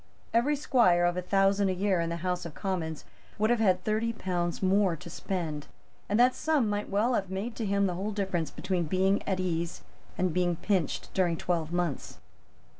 Every squire of a thousand a year in the House of Commons would have had thirty pounds more to spend; and that sum might well have made to him the whole difference between being at ease and being pinched during twelve months.